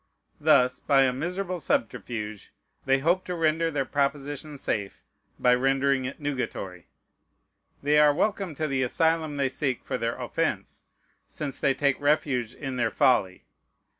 Thus, by a miserable subterfuge, they hope to render their proposition safe by rendering it nugatory. They are welcome to the asylum they seek for their offence, since they take refuge in their folly.